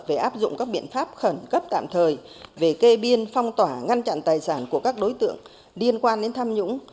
về áp dụng các biện pháp khẩn cấp tạm thời về kê biên phong tỏa ngăn chặn tài sản của các đối tượng liên quan đến tham nhũng